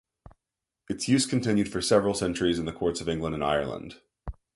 Its use continued for several centuries in the courts of England and Ireland.